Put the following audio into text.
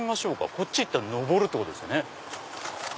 こっち行ったら登るってことですよね。